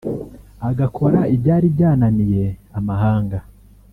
agakora ibyari byananiye amahanga